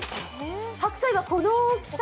白菜は、この大きさ！